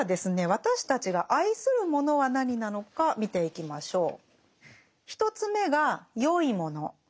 私たちが愛するものは何なのか見ていきましょう。